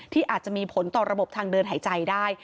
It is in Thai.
ที่อาจจะมีผลต่อระบบทางเดินหายใจได้